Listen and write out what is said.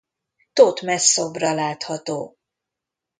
Thotmesz szobra látható.